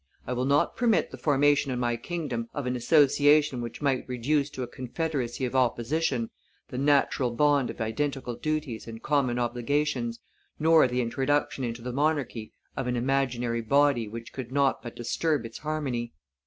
I will not permit the formation in my kingdom of an association which might reduce to a confederacy of opposition the natural bond of identical duties and common obligations, nor the introduction into the monarchy of an imaginary body which could not but disturb its harmony.